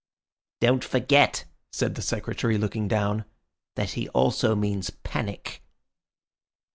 "Don't forget," said the Secretary, looking down, "that he also means Panic."